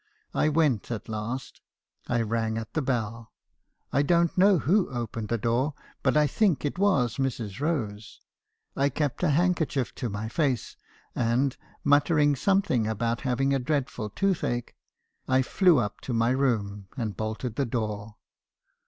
I went at last. I rang at the bell. I don't know who opened the door, but I think it was Mrs. Rose. I kept a handkerchief to my face, and, muttering something about having a dreadful toothache, I flew up to my room, and bolted the door.